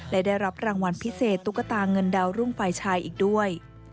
และได้รับรางวัลพิเศษตุ๊กตาเงินดาวรุ่งฝ่ายชายอีกด้วย